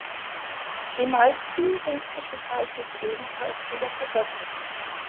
Die meisten sind zwischenzeitlich ebenfalls wieder vergriffen.